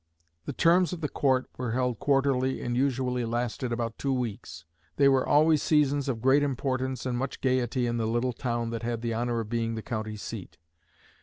"The terms of the court were held quarterly and usually lasted about two weeks. They were always seasons of great importance and much gayety in the little town that had the honor of being the county seat.